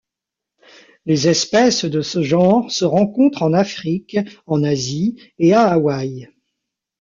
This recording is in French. Les espèces de ce genre se rencontrent en Afrique, en Asie et à Hawaï.